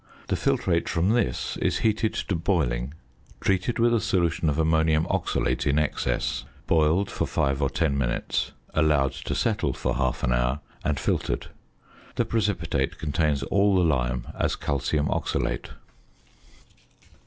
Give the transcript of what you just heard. The filtrate from this is heated to boiling, treated with a solution of ammonium oxalate in excess, boiled for five or ten minutes, allowed to settle for half an hour, and filtered. The precipitate contains all the lime as calcium oxalate.